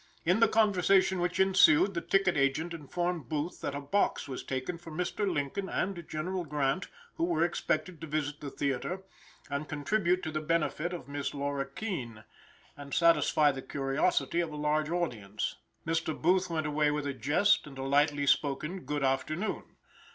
In the conversation which ensued, the ticket agent informed Booth that a box was taken for Mr. Lincoln and General Grant, who were expected to visit the theater, and contribute to the benefit of Miss Laura Keene, and satisfy the curiosity of a large audience. Mr. Booth went away with a jest, and a lightly spoken "Good afternoon."